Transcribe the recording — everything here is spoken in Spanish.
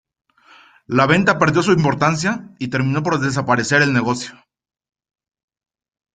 La venta perdió su importancia y terminó por desaparecer el negocio.